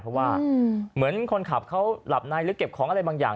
เพราะว่าเหมือนคนขับเขาหลับในหรือเก็บของอะไรบางอย่าง